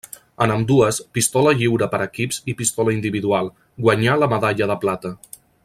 En ambdues, Pistola lliure per equips i pistola individual, guanyà la medalla de plata.